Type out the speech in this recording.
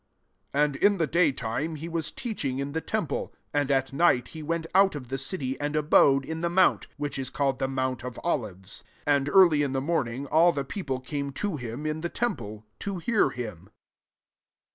37 And in the day time, he was teaching in the temple; and at night, he went out of the city, and abode in the mount which is called the mount oi Olives. 38 And early in the morning all the people came to him in the temple, to hear him.